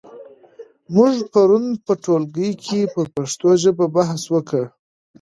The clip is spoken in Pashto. موږ پرون په ټولګي کې پر پښتو ژبه بحث وکړ.